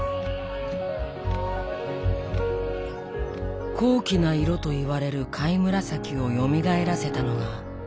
高貴な色といわれる「貝紫」をよみがえらせたのがこの２人。